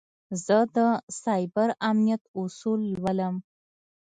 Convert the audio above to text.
زه د سایبر امنیت اصول لولم.